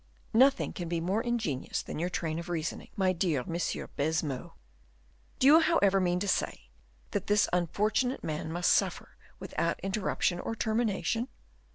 "Nothing can be more ingenious than your train of reasoning, my dear M. Baisemeaux. Do you, however, mean to say that this unfortunate man must suffer without interruption or termination?"